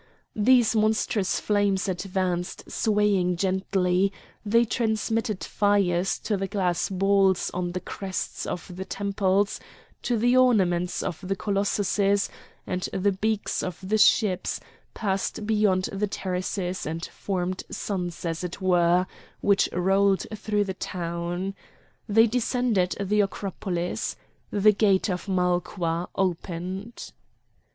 These monstrous flames advanced swaying gently; they transmitted fires to the glass balls on the crests of the temples, to the ornaments of the colossuses and the beaks of the ships, passed beyond the terraces and formed suns as it were, which rolled through the town. They descended the Acropolis. The gate of Malqua opened.